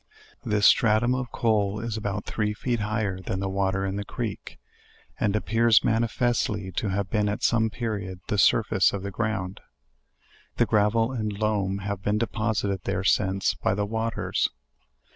This stratum of coal is about three feet higher than the water in the creek, and appears manifestly to have been at some period, tho surface of the ground. The gravel and loam have been deposited there since, by the waters.